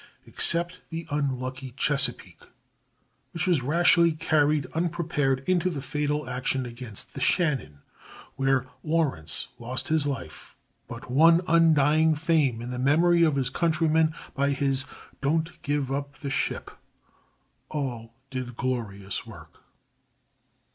Except the unlucky Chesapeake, which was rashly carried unprepared into the fatal action against the Shannon, where Lawrence lost his life, but won undying fame in the memory of his countrymen by his "Don't give up the ship," all did glorious work.